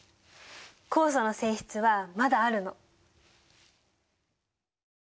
酵素の性質はまだあるの。